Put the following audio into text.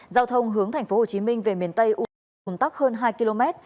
giao thông hướng tp hcm về miền tây un tắc hơn hai km